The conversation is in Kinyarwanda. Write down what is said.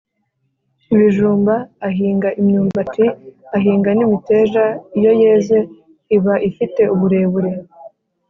ibijumba, ahinga imyumbati, ahinga n’imiteja, iyo yeze iba ifite uburebure